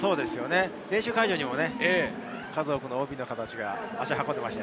練習会場にも数多くのＯＢの方たちが足を運んでいました。